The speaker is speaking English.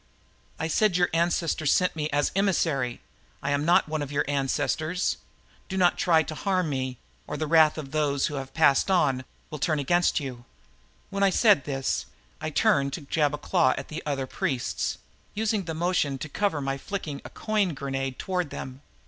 "I said your ancestors sent me as emissary I am not one of your ancestors. Do not try to harm me or the wrath of those who have Passed On will turn against you." When I said this, I turned to jab a claw at the other priests, using the motion to cover my flicking a coin grenade toward them.